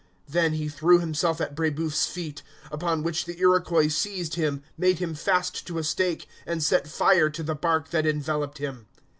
Then he threw himself at Brébeuf's feet; upon which the Iroquois seized him, made him fast to a stake, and set fire to the bark that enveloped him.